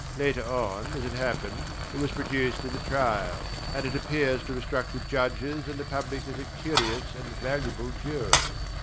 Later on, as it happened, it was produced at the trial, and appears to have struck the Judges and the public as a curious and valuable jewel.